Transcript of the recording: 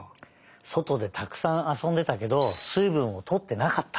そとでたくさんあそんでたけどすいぶんをとってなかった！